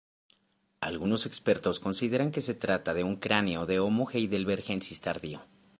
Algunos expertos consideran que se trata de un cráneo de "Homo heidelbergensis" tardío.